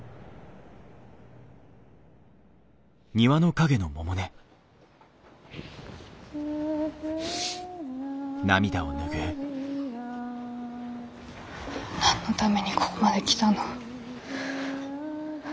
何のためにここまで来たの。